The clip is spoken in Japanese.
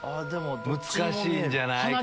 難しいんじゃないかな。